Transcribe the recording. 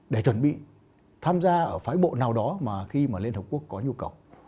để chuẩn bị tham gia ở phái bộ nào đó mà khi mà liên hợp quốc có nhu cầu